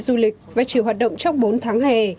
các công ty du lịch và chỉ hoạt động trong bốn tháng hè